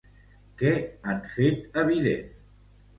Què han fet evident?